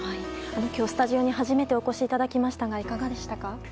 今日、スタジオに初めてお越しいただきましたがいかがでしたか？